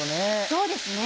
そうですね。